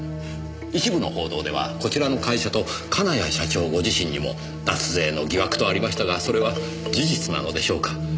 一部の報道ではこちらの会社と金谷社長ご自身にも脱税の疑惑とありましたがそれは事実なのでしょうか。